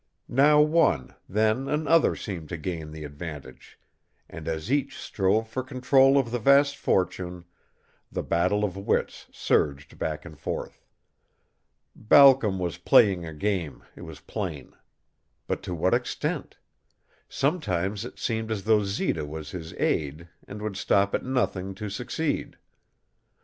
Now one, then another seemed to gain the advantage, and as each strove for control of the vast fortune, the battle of wits surged back and forth. Balcom was playing a game, it was plain. But to what extent? Sometimes it seemed as though Zita was his aide and would stop at nothing to succeed.